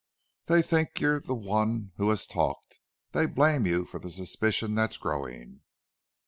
"They think you're the one who has talked. They blame you for the suspicion that's growing."